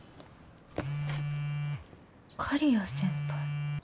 刈谷先輩。